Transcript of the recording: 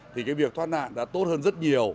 thì cái việc thoát nạn đã tốt hơn rất nhiều